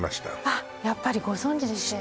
あっやっぱりご存じでしたよね